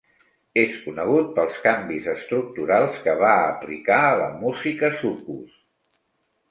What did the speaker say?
És conegut pels canvis estructurals que va aplicar a la música soukous.